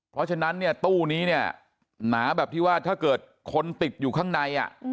เพราะฉะนั้นเนี่ยตู้นี้เนี่ยหนาแบบที่ว่าถ้าเกิดคนติดอยู่ข้างใน